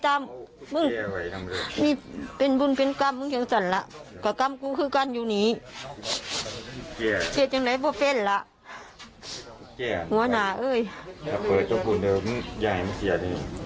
อันนี้ถูกถูกคุยเย้ยมาเสียทีนะครับ